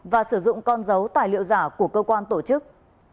và sử dụng con dấu tài liệu giả của cơ quan tổ chức